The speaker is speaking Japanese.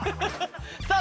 さあ